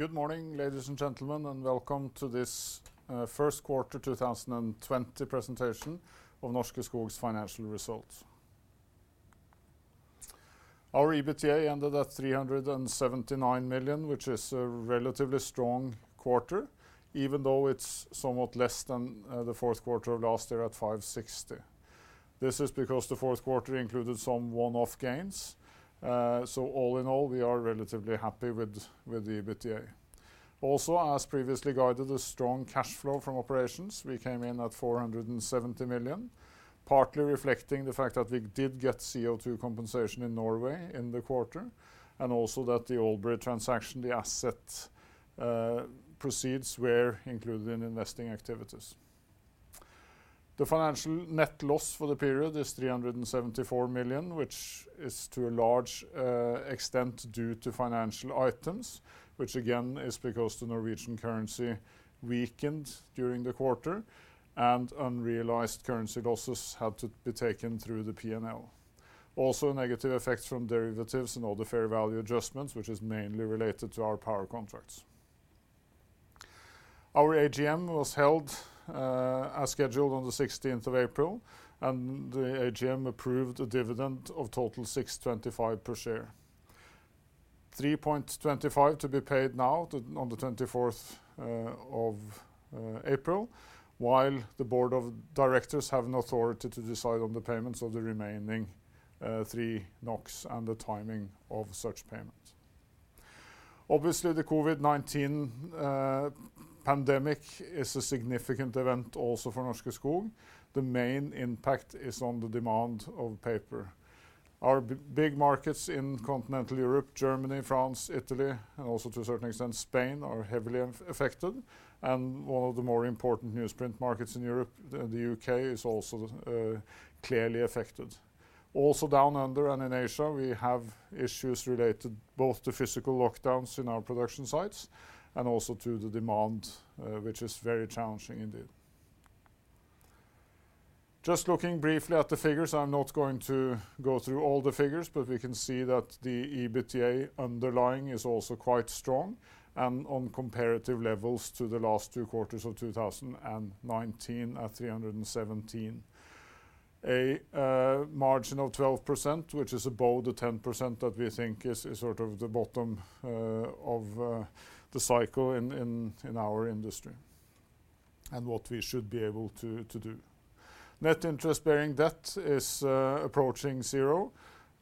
Good morning, ladies and gentlemen, and welcome to this first quarter 2020 presentation of Norske Skog's financial results. Our EBITDA ended at 379 million, which is a relatively strong quarter, even though it's somewhat less than the fourth quarter of last year at 560 million. This is because the fourth quarter included some one-off gains. So all in all, we are relatively happy with the EBITDA. Also, as previously guided, a strong cash flow from operations, we came in at 470 million, partly reflecting the fact that we did get CO2 compensation in Norway in the quarter, and also that the Albury transaction, the asset proceeds were included in investing activities. The financial net loss for the period is 374 million, which is to a large extent due to financial items, which again is because the Norwegian currency weakened during the quarter, and unrealized currency losses had to be taken through the P&L. Also, negative effects from derivatives and other fair value adjustments, which is mainly related to our power contracts. Our AGM was held as scheduled on the sixteenth of April, and the AGM approved a dividend of total 6.25 NOK per share. 3.25 NOK to be paid now on the twenty-fourth of April, while the board of directors have an authority to decide on the payments of the remaining 3 NOK and the timing of such payments. Obviously, the COVID-219 pandemic is a significant event also for Norske Skog. The main impact is on the demand of paper. Our big markets in continental Europe, Germany, France, Italy, and also to a certain extent, Spain, are heavily affected, and one of the more important newsprint markets in Europe, and the U.K., is also clearly affected. Also, Down Under and in Asia, we have issues related both to physical lockdowns in our production sites and also to the demand, which is very challenging indeed. Just looking briefly at the figures, I'm not going to go through all the figures, but we can see that the EBITDA underlying is also quite strong, and on comparative levels to the last two quarters of 2019 at 317 A margin of 12%, which is above the 10% that we think is sort of the bottom of the cycle in our industry, and what we should be able to do. Net interest bearing debt is approaching zero,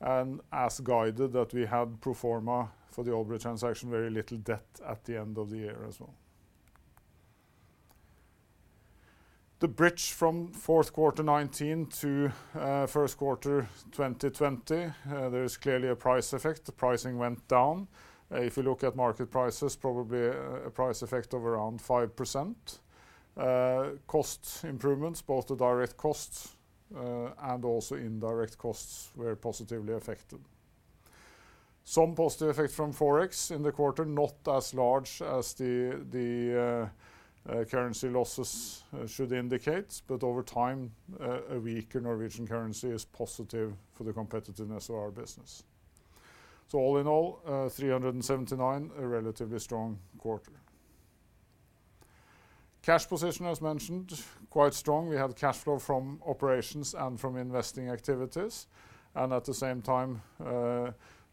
and as guided, that we had pro forma for the Albury transaction, very little debt at the end of the year as well. The bridge from fourth quarter 2019 to first quarter 2020, there is clearly a price effect. The pricing went down. If you look at market prices, probably a price effect of around 5%. Cost improvements, both the direct costs and also indirect costs, were positively affected. Some positive effects from forex in the quarter, not as large as the currency losses should indicate, but over time, a weaker Norwegian currency is positive for the competitiveness of our business. So all in all, 379, a relatively strong quarter. Cash position, as mentioned, quite strong. We had cash flow from operations and from investing activities, and at the same time,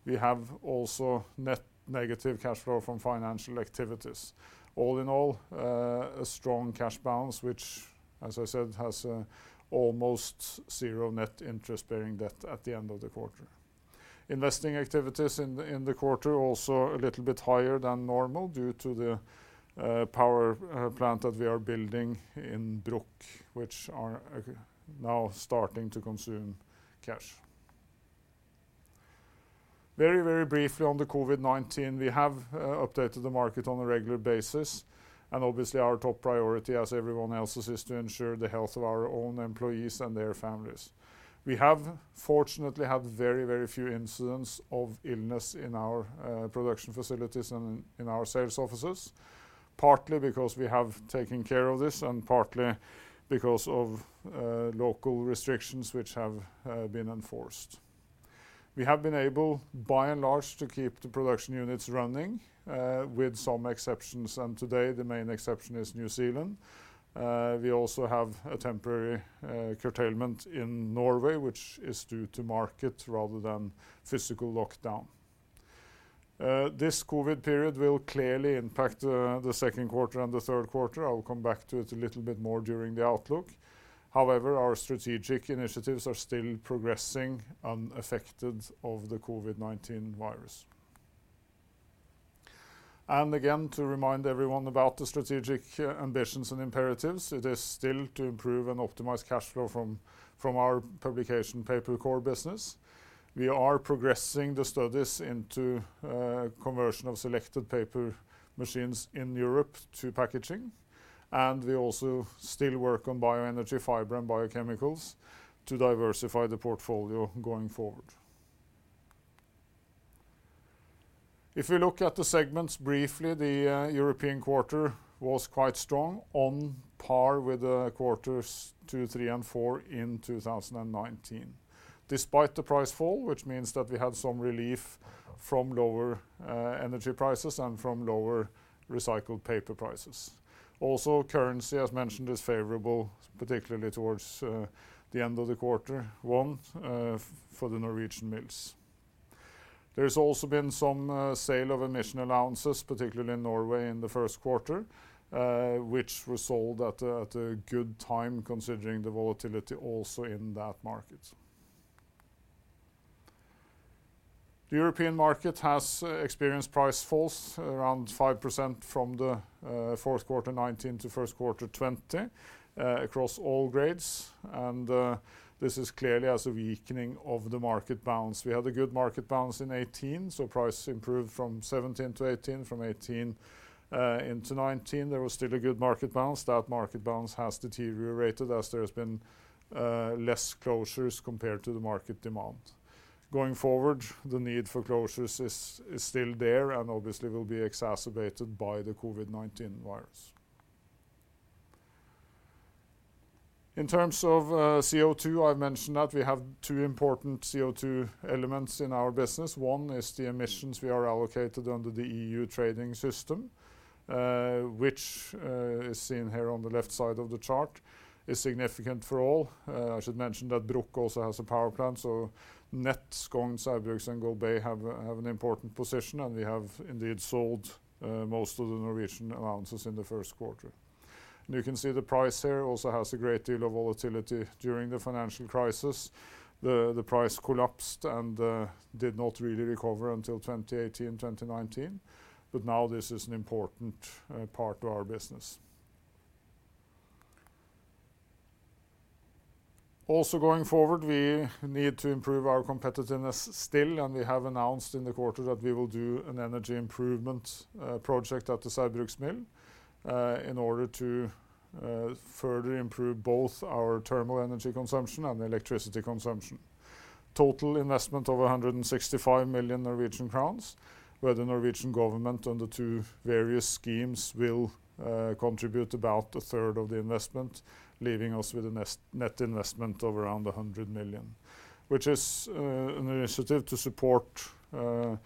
we have also net negative cash flow from financial activities. All in all, a strong cash balance, which, as I said, has almost zero net interest bearing debt at the end of the quarter. Investing activities in the quarter also a little bit higher than normal due to the power plant that we are building in Bruck, which are now starting to consume cash. Very, very briefly on the COVID-19, we have updated the market on a regular basis, and obviously, our top priority, as everyone else's, is to ensure the health of our own employees and their families. We have fortunately had very, very few incidents of illness in our production facilities and in our sales offices, partly because we have taken care of this and partly because of local restrictions which have been enforced. We have been able, by and large, to keep the production units running with some exceptions, and today the main exception is New Zealand. We also have a temporary curtailment in Norway, which is due to market rather than physical lockdown. This COVID period will clearly impact the second quarter and the third quarter. I will come back to it a little bit more during the outlook. However, our strategic initiatives are still progressing unaffected of the COVID-19 virus. Again, to remind everyone about the strategic ambitions and imperatives, it is still to improve and optimize cash flow from our publication paper core business. We are progressing the studies into conversion of selected paper machines in Europe to packaging, and we also still work on bioenergy, fiber, and biochemicals to diversify the portfolio going forward. If we look at the segments briefly, the European quarter was quite strong, on par with the quarters 2, 3, and 4 in 2019. Despite the price fall, which means that we had some relief from lower energy prices and from lower recycled paper prices. Also, currency, as mentioned, is favorable, particularly towards the end of quarter one for the Norwegian mills. There's also been some sale of emission allowances, particularly in Norway in the first quarter, which were sold at a good time, considering the volatility also in that market. The European market has experienced price falls around 5% from the fourth quarter 2019 to first quarter 2020, across all grades, and this is clearly as a weakening of the market balance. We had a good market balance in 2018, so price improved from 2017 to 2018. From 2018 into 2019, there was still a good market balance. That market balance has deteriorated as there has been less closures compared to the market demand. Going forward, the need for closures is still there, and obviously, will be exacerbated by the COVID-19 virus. In terms of CO2, I've mentioned that we have two important CO2 elements in our business. One is the emissions we are allocated under the EU trading system, which is seen here on the left side of the chart, is significant for all. I should mention that Bruck also has a power plant, so net Skogn, Saugbrugs, and Golbey have an important position, and we have indeed sold most of the Norwegian allowances in the first quarter. And you can see the price here also has a great deal of volatility during the financial crisis. The price collapsed and did not really recover until 2018, 2019, but now this is an important part of our business. Also, going forward, we need to improve our competitiveness still, and we have announced in the quarter that we will do an energy improvement project at the Saugbrugs mill in order to further improve both our thermal energy consumption and electricity consumption. Total investment of 165 million Norwegian crowns, where the Norwegian government under two various schemes will contribute about a third of the investment, leaving us with a net investment of around 100 million, which is an initiative to support the Saugbrugs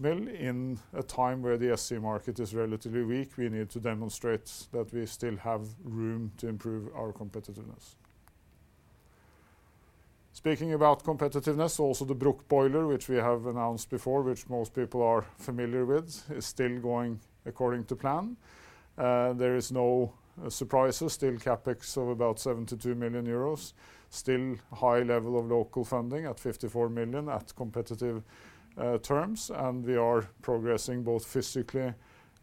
mill in a time where the SC market is relatively weak. We need to demonstrate that we still have room to improve our competitiveness. Speaking about competitiveness, also the Bruck boiler, which we have announced before, which most people are familiar with, is still going according to plan. There is no surprises, still CapEx of about 72 million euros, still high level of local funding at 54 million at competitive terms, and we are progressing both physically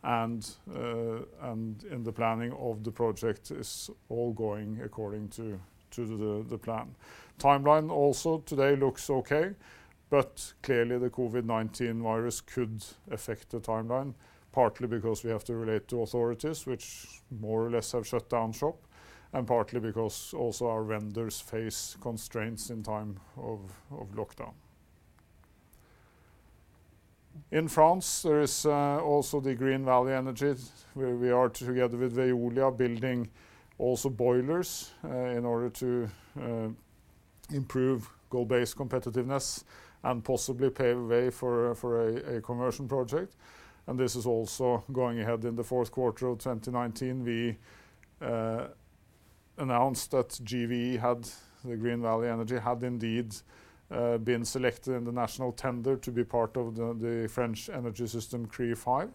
and in the planning of the project is all going according to the plan. Timeline also today looks okay, but clearly, the COVID-19 virus could affect the timeline, partly because we have to relate to authorities, which more or less have shut down shop, and partly because also our vendors face constraints in time of lockdown. In France, there is also the Green Valley Energy, where we are together with Veolia, building also boilers, in order to improve Golbey's competitiveness and possibly pave the way for a conversion project, and this is also going ahead. In the fourth quarter of 2019, we announced that GVE, the Green Valley Energy, had indeed been selected in the national tender to be part of the French energy system CRE5,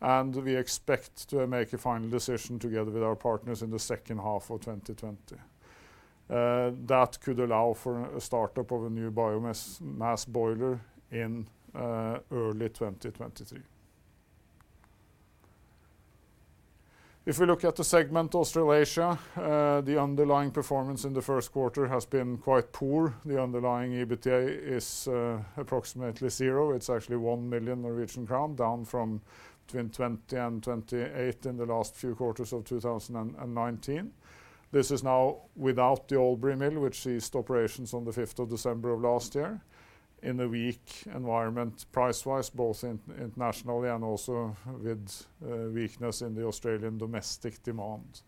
and we expect to make a final decision together with our partners in the second half of 2020. That could allow for a startup of a new biomass boiler in early 2023. If we look at the segment Australasia, the underlying performance in the first quarter has been quite poor. The underlying EBITDA is approximately zero. It's actually 1 million Norwegian crown, down from between 20 million and 28 million in the last few quarters of 2019. This is now without the Albury mill, which ceased operations on the fifth of December of last year in a weak environment, price-wise, both internationally and also with weakness in the Australian domestic demand.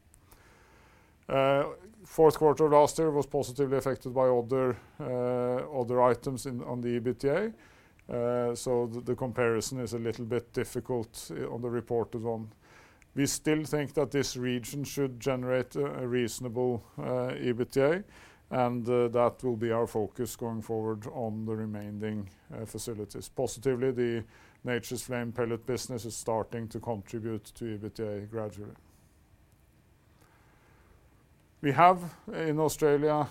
Fourth quarter of last year was positively affected by other items in, on the EBITDA, so the comparison is a little bit difficult on the reported one. We still think that this region should generate a reasonable EBITDA, and that will be our focus going forward on the remaining facilities. Positively, the Nature's Flame pellet business is starting to contribute to EBITDA gradually. We have, in Australia,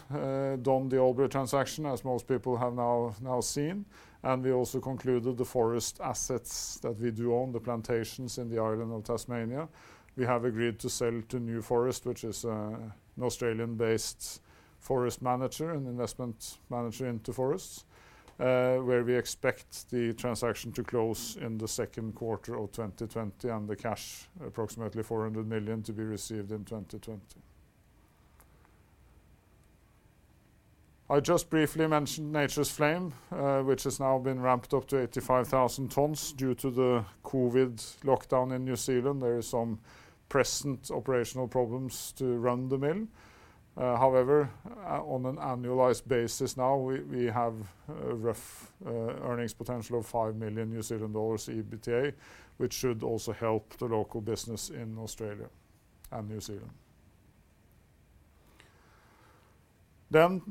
done the Albury transaction, as most people have now seen, and we also concluded the forest assets that we do own, the plantations in the island of Tasmania. We have agreed to sell to New Forests, which is an Australian-based forest manager and investment manager into forests, where we expect the transaction to close in the second quarter of 2020, and the cash, approximately 400 million, to be received in 2020. I just briefly mentioned Nature's Flame, which has now been ramped up to 85,000 tons. Due to the COVID lockdown in New Zealand, there is some present operational problems to run the mill. However, on an annualized basis now, we have a rough earnings potential of 5 million New Zealand dollars EBITDA, which should also help the local business in Australia and New Zealand. Then,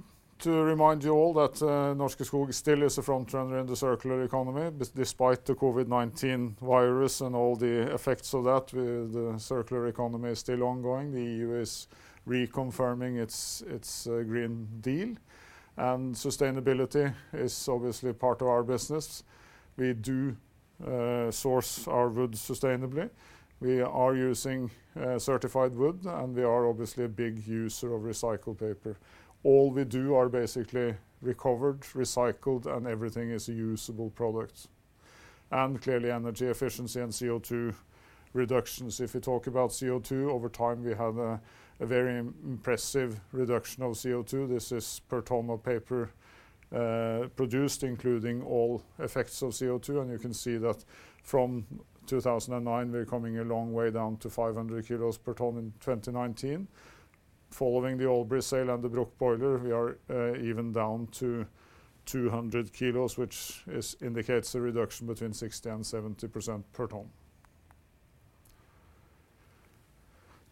to remind you all that Norske Skog still is a front runner in the circular economy, despite the COVID-19 virus and all the effects of that, the circular economy is still ongoing. The EU is reconfirming its Green Deal, and sustainability is obviously part of our business. We do source our wood sustainably. We are using certified wood, and we are obviously a big user of recycled paper. All we do are basically recovered, recycled, and everything is a usable product, and clearly energy efficiency and CO2 reductions. If we talk about CO2, over time, we have a very impressive reduction of CO2. This is per ton of paper produced, including all effects of CO2, and you can see that from 2009, we're coming a long way down to 500 kilos per ton in 2019. Following the Golbey and the Bruck boiler, we are even down to 200 kilos, which indicates a reduction between 60%-70% per ton.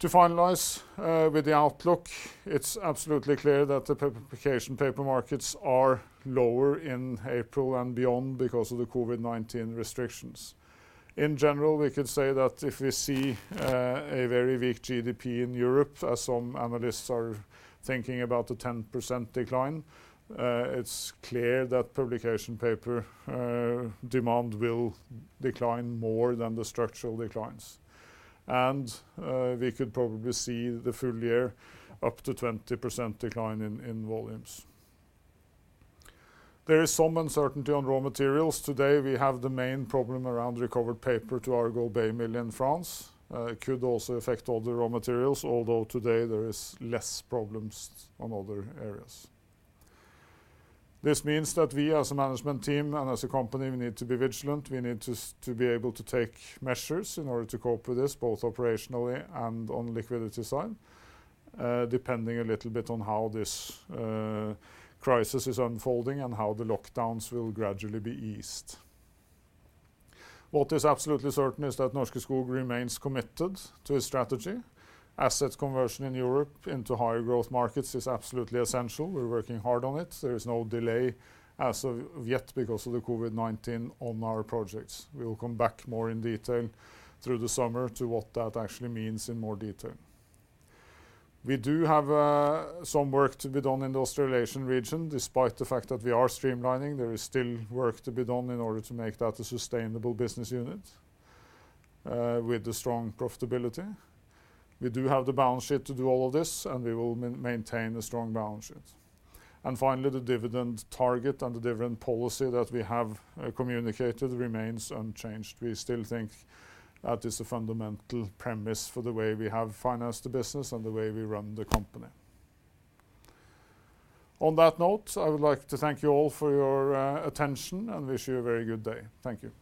To finalize with the outlook, it's absolutely clear that the publication paper markets are lower in April and beyond because of the COVID-19 restrictions. In general, we could say that if we see a very weak GDP in Europe, as some analysts are thinking about a 10% decline, it's clear that publication paper demand will decline more than the structural declines. We could probably see the full year up to 20% decline in volumes. There is some uncertainty on raw materials. Today, we have the main problem around recovered paper to the Golbey mill in France. It could also affect other raw materials, although today there is less problems on other areas. This means that we, as a management team and as a company, we need to be vigilant. We need to be able to take measures in order to cope with this, both operationally and on the liquidity side, depending a little bit on how this crisis is unfolding and how the lockdowns will gradually be eased. What is absolutely certain is that Norske Skog remains committed to a strategy. Asset conversion in Europe into higher growth markets is absolutely essential. We're working hard on it. There is no delay as of yet because of the COVID-19 on our projects. We will come back more in detail through the summer to what that actually means in more detail. We do have some work to be done in the Australasian region. Despite the fact that we are streamlining, there is still work to be done in order to make that a sustainable business unit with a strong profitability. We do have the balance sheet to do all of this, and we will maintain a strong balance sheet. Finally, the dividend target and the dividend policy that we have communicated remains unchanged. We still think that is a fundamental premise for the way we have financed the business and the way we run the company. On that note, I would like to thank you all for your attention and wish you a very good day. Thank you.